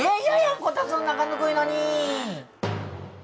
こたつの中ぬくいのに！